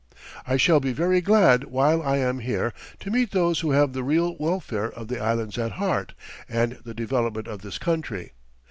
"I shall be very glad while I am here to meet those who have the real welfare of the Islands at heart and the development of this country.